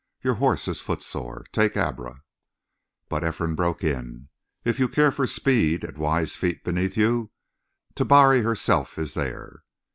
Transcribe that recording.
"Your horse is footsore; take Abra." But Ephraim broke in: "If you care for speed and wise feet beneath you, Tabari herself is there."